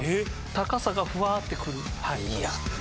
高さがふわってくるいい！